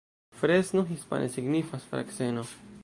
Fresno hispane signifas: frakseno.